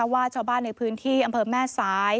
ว่าชาวบ้านในพื้นที่อำเภอแม่สาย